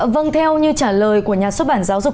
vâng theo như trả lời của nhà xuất bản giáo dục